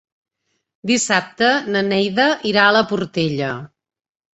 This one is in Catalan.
Dissabte na Neida irà a la Portella.